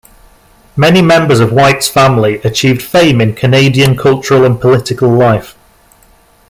Many members of White's family achieved fame in Canadian cultural and political life.